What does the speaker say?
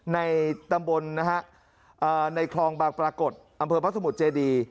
ในตำบลนะฮะในคลองบางปรากฏอำเภอพระสมุทรเจดี